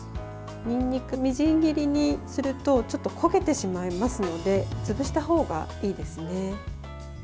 にんにく、みじん切りにするとちょっと焦げてしまいますので潰したほうがいいですね。